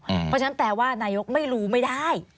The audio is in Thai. เพราะฉะนั้นแปลว่านายกไม่รู้ไม่ได้